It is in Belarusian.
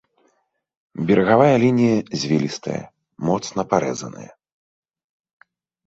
Берагавая лінія звілістая, моцна парэзаная.